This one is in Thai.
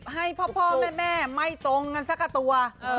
ให้พ่อแม่ไม่ตรงกันสักกับตัว